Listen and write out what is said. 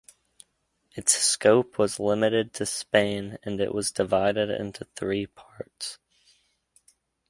Its scope was limited to Spain and it was divided into three parts.